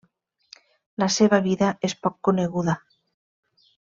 La seva vida és poc coneguda.